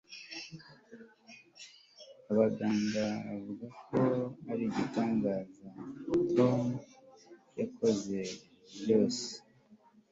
abaganga bavuga ko ari igitangaza tom yakoze ijoro ryose